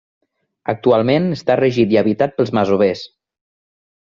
Actualment està regit i habitat pels masovers.